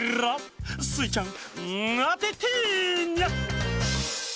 スイちゃんあててニャ！